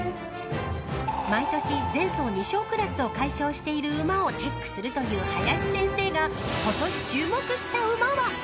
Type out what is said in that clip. ［毎年前走２勝クラスを快勝している馬をチェックするという林先生が今年注目した馬は］